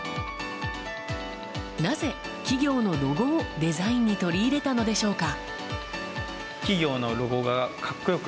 なぜ、企業のロゴをデザインに取り入れたのでしょうか。